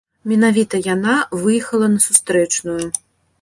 Менавіта яна выехала на сустрэчную.